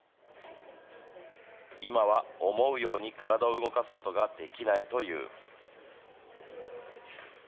今は思うように体を動かすことができないという。